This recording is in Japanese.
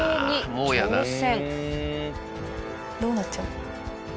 どうなっちゃうの？